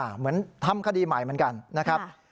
เหมือนทำคดีใหม่เหมือนกันนะครับ